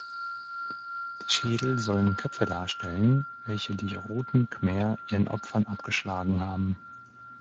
Die Schädel sollen Köpfe darstellen, welche die Roten Khmer ihren Opfern abgeschlagen haben.